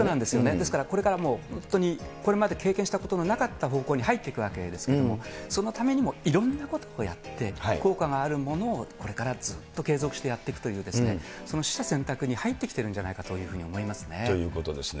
ですから、これからもう本当にこれまで経験したことのなかった方向に入っていくわけですけれども、そのためにもいろんなことをやって、効果があるものをこれからずっと継続してやっていくというですね、取捨選択に入ってきているんじゃないかというふうに思いますね。ということですね。